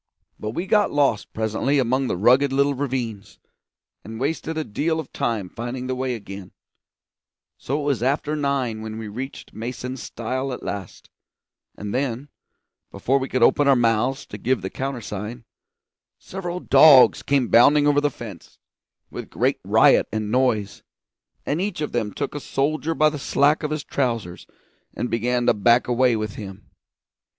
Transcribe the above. But we got lost presently among the rugged little ravines, and wasted a deal of time finding the way again, so it was after nine when we reached Mason's stile at last; and then before we could open our mouths to give the countersign, several dogs came bounding over the fence, with great riot and noise, and each of them took a soldier by the slack of his trousers and began to back away with him.